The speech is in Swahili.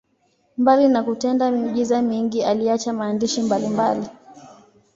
Mbali na kutenda miujiza mingi, aliacha maandishi mbalimbali.